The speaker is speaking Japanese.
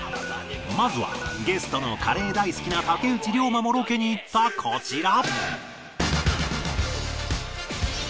まずはゲストのカレー大好きな竹内涼真もロケに行ったこちら